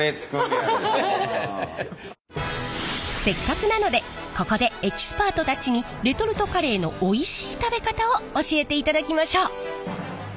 せっかくなのでここでエキスパートたちにレトルトカレーのおいしい食べ方を教えていただきましょう。